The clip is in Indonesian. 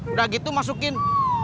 udah gitu masukin